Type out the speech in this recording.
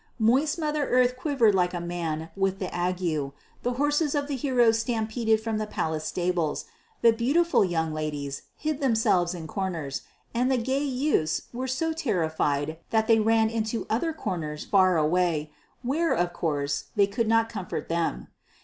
Moist Mother Earth quivered like a man with the ague, the horses of the heroes stampeded from the palace stables, the beautiful young ladies hid themselves in corners, and the gay youths were so terrified that they ran into other corners far away, where, of course, they could not comfort them.